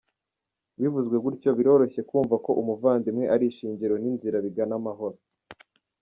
Bivuzwe gutyo, biroroshye kumva ko ubuvandimwe ari ishingiro n’inzira bigana amahoro.